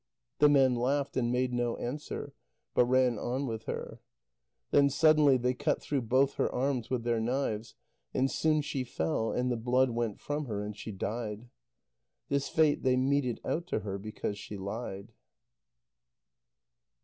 The men laughed, and made no answer, but ran on with her. Then suddenly they cut through both her arms with their knives. And soon she fell, and the blood went from her, and she died. This fate they meted out to her because she lied.